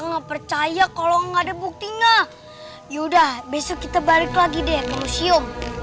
nggak percaya kalau nggak ada bukti nggak yaudah besok kita balik lagi deh museum